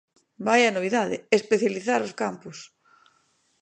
¡Vaia novidade: especializar os campus!